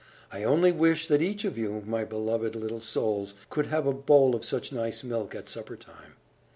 I only wish that each of you, my beloved little souls, could have a bowl of such nice milk, at supper time!